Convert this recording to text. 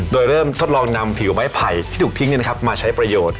โดยเริ่มทดลองนำผิวไม้ไผ่ที่ถูกทิ้งมาใช้ประโยชน์